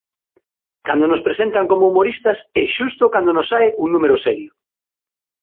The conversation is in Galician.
Cando nos presentan como humoristas é xusto cando nos sae un número serio.